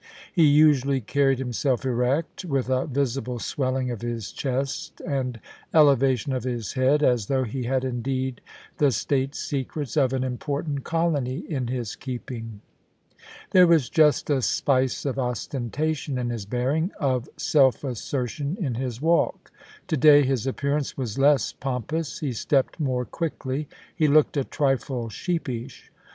He usually carried himself erect, with a visible swelling of his chest and elevation of his head, as though he had indeed the state secrets of an important colony in his keeping. There was just a spice of ostentation in his bearing — of self assertion in his walk. To day his appearance was less pompous ; he stepped more quickly ; he looked a trifle sheepish.